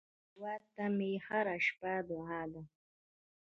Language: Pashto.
هیواد ته مې هره شپه دعا ده